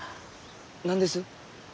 何です？